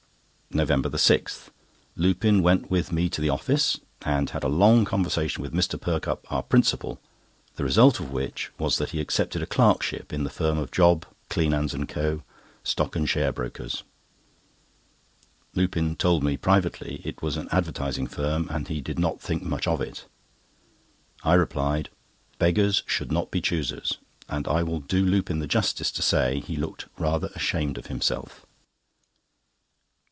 NOVEMBER 6.—Lupin went with me to the office, and had a long conversation with Mr. Perkupp, our principal, the result of which was that he accepted a clerkship in the firm of Job Cleanands and Co., Stock and Share Brokers. Lupin told me, privately, it was an advertising firm, and he did not think much of it. I replied: "Beggars should not be choosers;" and I will do Lupin the justice to say, he looked rather ashamed of himself.